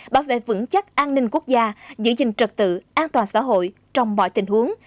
bảo vệ vững chắc an ninh quốc gia giữ gìn trật tự an toàn xã hội trong mọi tình huống